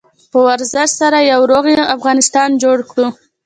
په ورزش سره یو روغ افغانستان جوړ کړو.